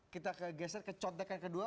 kita ke geser ke contekan kedua